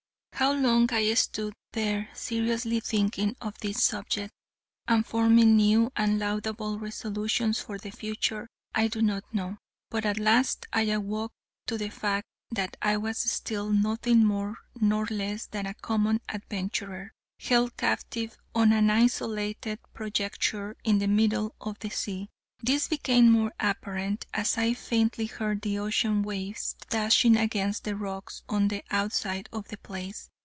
How long I stood there, seriously thinking on this subject, and forming new and laudable resolutions for the future, I do not know; but at last I awoke to the fact that I was still nothing more nor less than a common adventurer, held captive on an isolated projecture in the middle of the sea. This became more apparent as I faintly heard the ocean's waves dashing against the rocks on the outside of the place.